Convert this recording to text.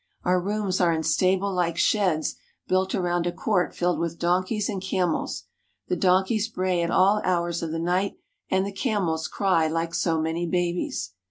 Our rooms are in stablelike sheds built around a court filled with donkeys and camels. The donkeys bray at all hours of the night, and the camels cry like so many babies.